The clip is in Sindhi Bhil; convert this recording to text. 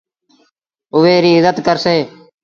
اُئي ريٚ ازت ڪرسي۔